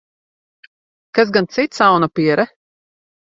Kas gan cits, aunapiere?